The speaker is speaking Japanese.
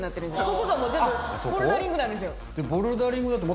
ここがもう全部ボルダリングなんですよ。